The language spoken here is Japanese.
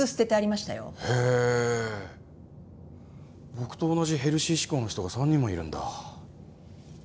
僕と同じヘルシー志向の人が３人もいるんだ。